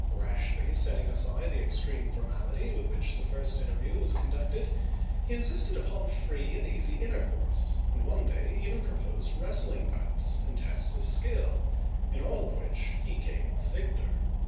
Rashly setting aside the extreme formality with which the first interview was conducted, he insisted upon free and easy intercourse, and one day even proposed wrestling bouts and tests of skill, in all of which he came off victor.